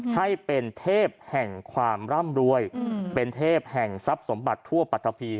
ให้เป็นเทพแห่งความร่ำรวยเป็นเทพแห่งทรัพย์สมบัติทั่วปัตตะพี